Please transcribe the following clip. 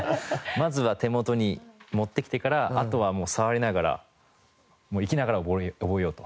まずは手元に持ってきてからあとはもう触りながら行きながら覚えようと。